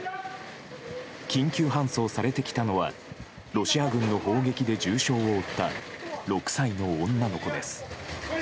緊急搬送されてきたのはロシア軍の攻撃で重傷を負った６歳の女の子です。